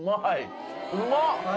うまっ！